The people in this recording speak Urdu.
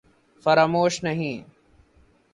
فراموش نہیں